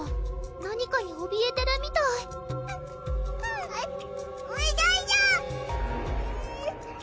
何かにおびえてるみたいうしゃしゃん！